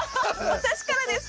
私からですか？